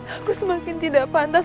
aku akan menangkapmu